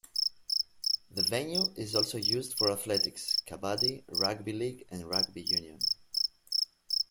The venue is also used for athletics, kabaddi, rugby league and rugby union.